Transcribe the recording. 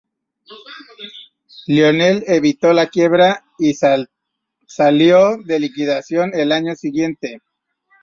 Lionel evitó la quiebra, y salió de liquidación al año siguiente.